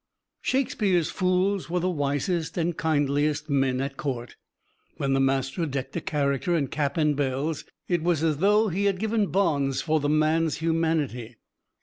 Shakespeare's fools were the wisest and kindliest men at court. When the master decked a character in cap and bells, it was as though he had given bonds for the man's humanity.